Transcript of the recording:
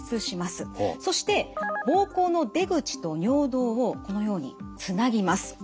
そして膀胱の出口と尿道をこのようにつなぎます。